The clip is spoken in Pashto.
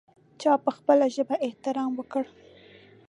چا په خپله ژبه احترام وکړ.